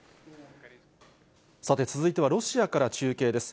さて、続いてはロシアから中継です。